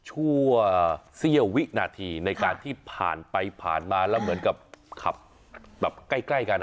ชั่วเสี้ยววินาทีในการที่ผ่านไปผ่านมาแล้วเหมือนกับขับแบบใกล้กัน